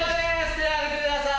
手あげてください